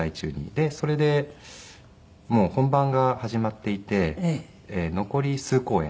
でそれでもう本番が始まっていて残り数公演。